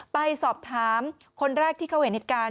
ไปสอบถามคนแรกที่เขาเห็นเหตุการณ์